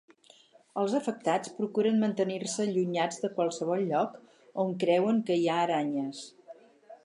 Els afectats procuren mantenir-se allunyats de qualsevol lloc on creuen que hi ha aranyes.